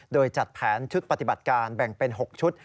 โดยจัดแผนชุดปฏิบัติการแบ่งเป็น๖ชุด